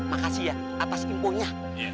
makasih ya atas imponya